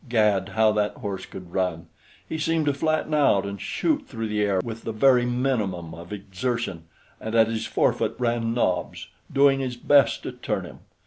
Gad, how that horse could run! He seemed to flatten out and shoot through the air with the very minimum of exertion, and at his forefoot ran Nobs, doing his best to turn him.